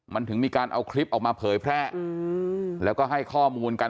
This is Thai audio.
มันถึงมีการเอาคลิปออกมาเผยแพร่แล้วก็ให้ข้อมูลกัน